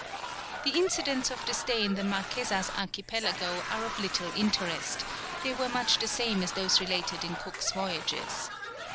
The incidents of the stay in the Marquesas Archipelago are of little interest, they were much the same as those related in Cook's Voyages.